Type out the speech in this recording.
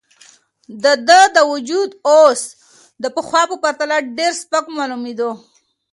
د ده وجود اوس د پخوا په پرتله ډېر سپک معلومېده.